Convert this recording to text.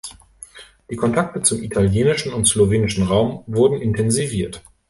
Die Kontakte zum italienischen und slowenischen Raum wurden intensiviert.